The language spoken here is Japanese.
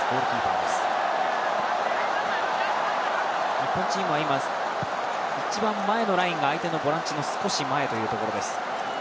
日本チームは今、一番前のラインが相手のボランチの少し前というところです。